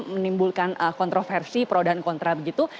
menimbulkan kontroversi pro dan kontra begitu